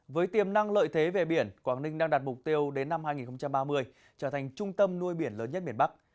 với tiềm năng lợi thế về biển quảng ninh đang đạt mục tiêu đến năm hai nghìn ba mươi trở thành trung tâm nuôi biển lớn nhất miền bắc